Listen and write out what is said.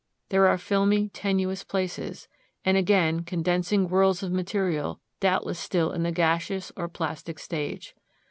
There are filmy tenuous places, and again condensing whirls of material doubtless still in the gaseous or plastic stage.